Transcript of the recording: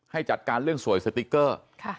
ให้จัดการเรื่องสวยสติ๊กเกอร์